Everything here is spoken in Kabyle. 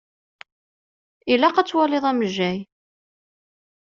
Ilaq ad twaliḍ amejjay.